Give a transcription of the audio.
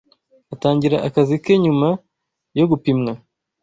Atangira akazi ke nyuma yo gupimwa